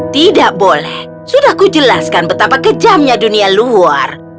tidak boleh sudah ku jelaskan betapa kejamnya dunia luar